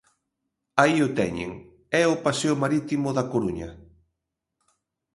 Aí o teñen, é o paseo marítimo da Coruña.